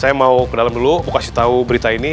saya mau ke dalam dulu mau kasih tahu berita ini